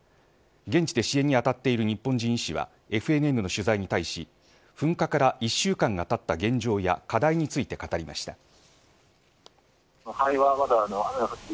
現地で支援にあたっている日本人医師はＦＮＮの取材に対し噴火から１週間がたった現状や課題について語りました。